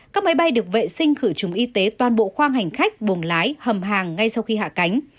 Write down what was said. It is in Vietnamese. các máy bay được vệ sinh khử trùng y tế toàn bộ khoang hành khách buồng lái hầm hàng ngay sau khi hạ cánh